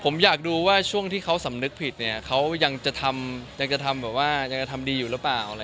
ผมอยากดูว่าช่วงที่เขาสำนึกผิดเนี่ยเขายังจะทำดีอยู่หรือเปล่า